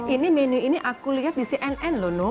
ini menu ini aku lihat di cnn loh nu